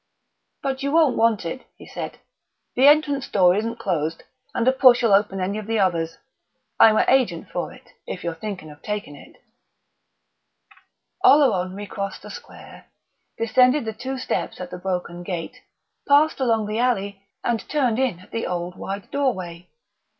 "But you won't want it," he said. "The entrance door isn't closed, and a push'll open any of the others. I'm a agent for it, if you're thinking of taking it " Oleron recrossed the square, descended the two steps at the broken gate, passed along the alley, and turned in at the old wide doorway.